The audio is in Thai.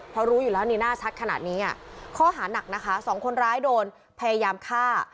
เพราะรู้อยู่แล้วนี่หน้าชัดขนาดนี้ข้อหานักนะคะสองคนร้ายโดนพยายามฆ่า